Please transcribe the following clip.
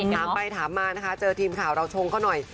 ถามไปถามมานะคะเจอทีมข่าวเราชงเขาหน่อย